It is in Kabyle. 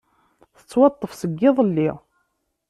Tettwaṭṭef seg iḍelli.